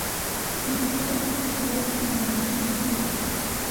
Sin embargo los habitantes de la ciudad escriben a menudo su nombre sin guion.